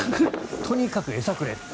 とにかく餌くれ。